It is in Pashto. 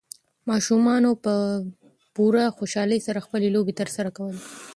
ماشومانو په پوره خوشالۍ سره خپلې لوبې ترسره کولې.